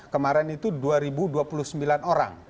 kemarin itu dua dua puluh sembilan orang